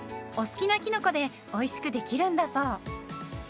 お好きなきのこでおいしくできるんだそう。